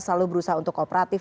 selalu berusaha untuk kooperatif